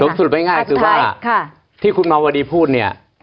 สรุปสรุปเป็นอย่างง่ายคือว่าที่คุณมวดีพูดเนี่ย